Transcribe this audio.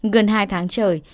gần hai tháng trời